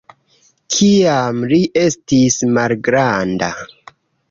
Kiam li estis malgranda.